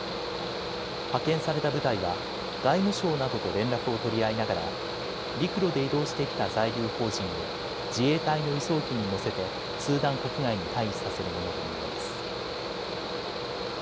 派遣された部隊は外務省などと連絡を取り合いながら陸路で移動してきた在留邦人を自衛隊の輸送機に乗せてスーダン国外に退避させるものと見られます。